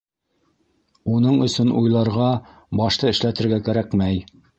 Уның өсөн уйларға, башты эшләтергә кәрәкмәй.